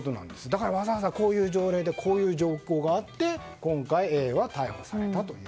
だから、わざわざこういう条例でこういう条項があって今回、Ａは逮捕されたと。